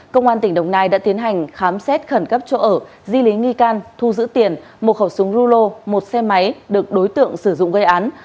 công an tỉnh đồng nai đã tiến hành khám xét khẩn cấp chỗ ở di lý nghi can thu giữ tiền một khẩu súng rulo một xe máy được đối tượng sử dụng gây án